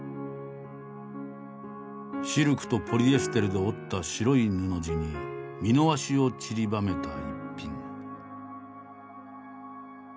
シルクとポリエステルで織った白い布地に美濃和紙をちりばめた逸品。